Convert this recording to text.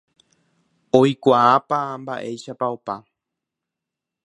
oikuaápa ma'éichapa opa